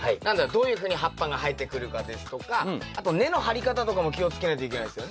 どういうふうに葉っぱが生えてくるかですとかあと根の張り方とかも気をつけないといけないですよね。